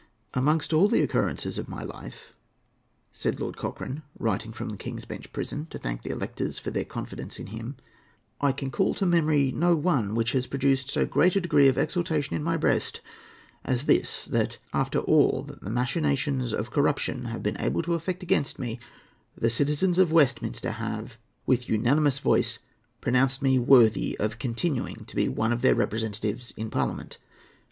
"Amongst all the occurrences of my life," said Lord Cochrane, writing from the King's Bench Prison to thank the electors for their confidence in him, "I can call to memory no one which has produced so great a degree of exultation in my breast as this, that, after all the machinations of corruption have been able to effect against me, the citizens of Westminster have, with unanimous voice, pronounced me worthy of continuing to be one of their representatives in Parliament.